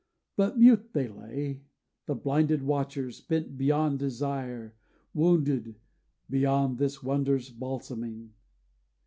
But mute they lay, The blinded watchers, spent beyond desire, Wounded beyond this wonder's balsaming.